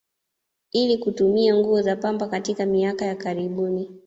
Ili kutumia nguo za pamba katika miaka ya karibuni